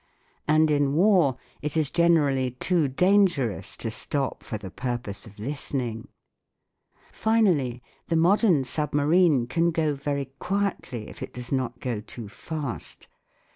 And in war it is generally too dangerous to stop for the purpose. of listening. Finally, the modern submarine can go very quietly if it does not go too fast.